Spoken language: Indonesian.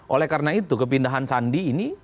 oleh karena itu kepindahan sandi ini kembali ke gerindra